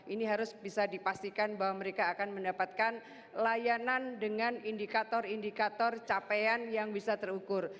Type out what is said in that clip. ini harus bisa dipastikan bahwa mereka akan mendapatkan layanan dengan indikator indikator capaian yang bisa terukur